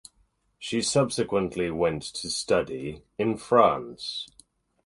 She subsequently went to study in France.